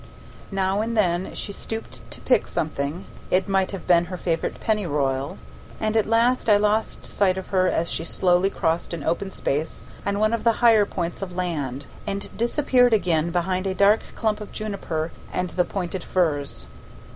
Now and then she stooped to pick something, it might have been her favorite pennyroyal, and at last I lost sight of her as she slowly crossed an open space on one of the higher points of land, and disappeared again behind a dark clump of juniper and the pointed firs.